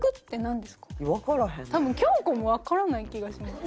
多分京子もわからない気がします。